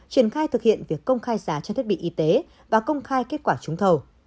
triển khai thực hiện việc công khai giá trên thiết bị y tế và công khai kết quả trúng thầu